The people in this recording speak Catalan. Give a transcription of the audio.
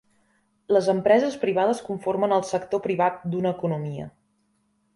Les empreses privades conformen el sector privat d'una economia.